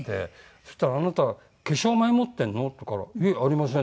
そしたら「あなた化粧前持ってるの？」って言うから「いえありません」。